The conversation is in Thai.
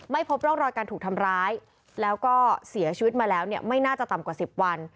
พบร่องรอยการถูกทำร้ายแล้วก็เสียชีวิตมาแล้วเนี่ยไม่น่าจะต่ำกว่า๑๐วัน